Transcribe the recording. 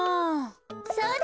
そうだ！